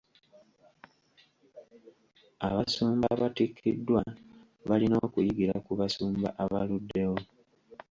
Abasumba abatikkiddwa balina okuyigira ku basumba abaluddewo.